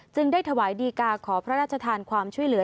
ได้ถวายดีกาขอพระราชทานความช่วยเหลือ